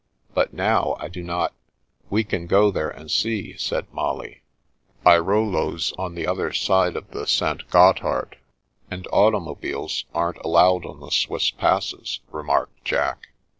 But now I do not "" We can go there and see," said Molly. " Airolo's on the other side of the St. Gothard, and automobiles aren't allowed on the Swiss passes," remarked Jack.